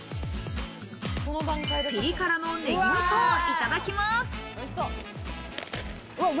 ピリ辛のねぎみそをいただきます。